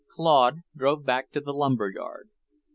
Claude drove back to the lumber yard.